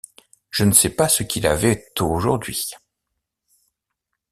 Je ne sais pas ce qu’il avait aujourd’hui.